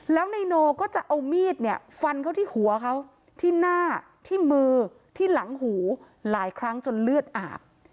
แล้วนายโนก็จะเอามีดเนี่ยฟันเขาที่หัวเขาที่หน้าที่มือที่หลังหูหลายครั้งจนเลือดอาบ